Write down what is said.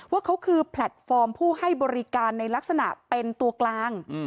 ว่าเขาคือแพลตฟอร์มผู้ให้บริการในลักษณะเป็นตัวกลาง